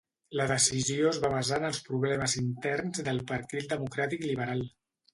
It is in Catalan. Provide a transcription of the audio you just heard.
La decisió es va basar en els problemes interns del Partit Democràtic Liberal.